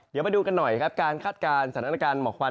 เดี๋ยวมาดูกันหน่อยครับการคาดการณ์สถานการณ์หมอกควัน